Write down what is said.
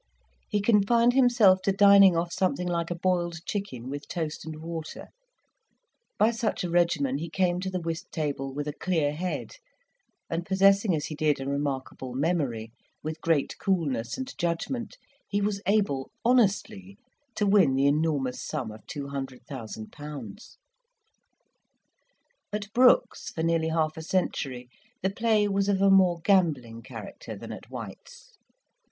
He confined himself to dining off something like a boiled chicken, with toast and water; by such a regimen he came to the whist table with a clear head, and possessing as he did a remarkable memory, with great coolness and judgment, he was able honestly to win the enormous sum of 200,000£. At Brookes', for nearly half a century, the play was of a more gambling character than at White's.